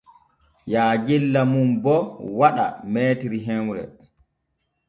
Yaajella mum bo waɗa m hemre.